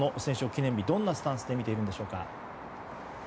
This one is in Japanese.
記念日どんなスタンスで見ているんでしょうか。